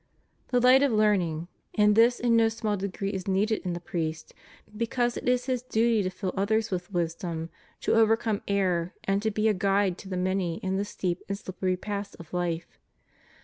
* The light of learning, and this in no small degree, is needed in the priest, because it is his duty to fill others with wisdom, to overcome error, and to be a guide to the many in the steep and slippery paths of life.